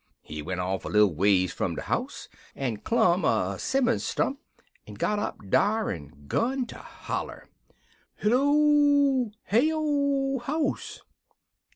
He went off a little ways fum de house en clum a 'simmon stump en got up dar en 'gun ter holler. "He 'low, 'Heyo, house!'